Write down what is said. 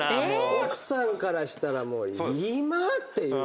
奥さんからしたら今⁉っていう。